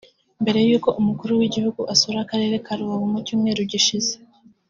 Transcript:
Mbere y’uko umukuru w’Igihugu asura Akarere ka Rubavu mu Cyumweru gishize